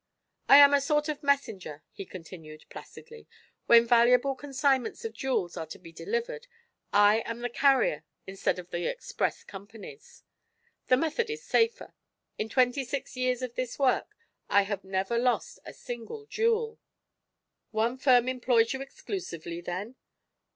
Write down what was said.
"I am a sort of messenger," he continued, placidly. "When valuable consignments of jewels are to be delivered, I am the carrier instead of the express companies. The method is safer. In twenty six years of this work I have never lost a single jewel." "One firm employs you exclusively, then?"